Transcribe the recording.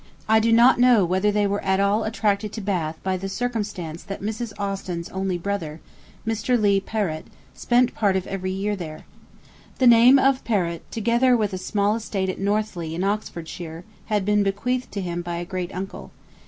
I do not know whether they were at all attracted to Bath by the circumstance that Mrs. Austen's only brother, Mr. Leigh Perrot, spent part of every year there. The name of Perrot, together with a small estate at Northleigh in Oxfordshire, had been bequeathed to him by a great uncle.